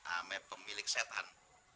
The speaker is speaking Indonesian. ame pemilik setan